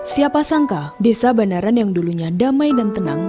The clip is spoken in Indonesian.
siapa sangka desa bandaran yang dulunya damai dan tenang